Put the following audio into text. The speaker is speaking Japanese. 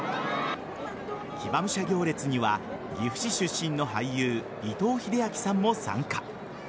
騎馬武者行列には岐阜市出身の俳優伊藤英明さんも参加。